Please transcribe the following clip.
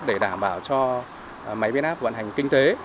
để đảm bảo cho máy biến áp vận hành kinh tế